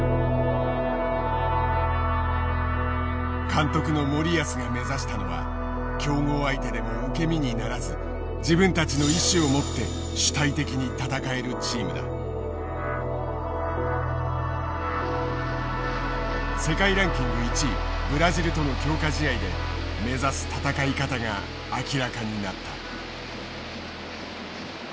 監督の森保が目指したのは強豪相手でも受け身にならず自分たちの意思を持って世界ランキング１位ブラジルとの強化試合で目指す戦い方が明らかになった。